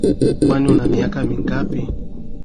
Kwani una miaka mingapi?